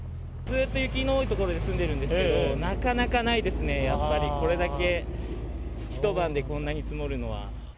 ずっと雪の多い所に住んでいるんですけど、なかなかないですね、やっぱり、これだけ一晩で、こんなに積もるのは。